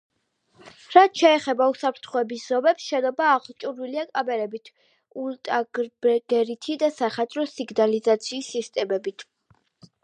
რაც შეეხება უსაფრთხოების ზომებს, შენობა აღჭურვილია კამერებით, ულტრაბგერითი და სახანძრო სიგნალიზაციის სისტემებით.